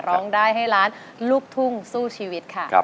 ร้องได้ให้ล้านลูกทุ่งสู้ชีวิตค่ะ